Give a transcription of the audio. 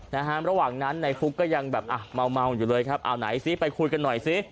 นะฮะระหว่างนั้นในฟุ๊กก็ยังแบบอ่ะเมาเมาอยู่เลยครับเอาไหนซิไปคุยกันหน่อยสิ